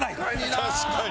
確かに！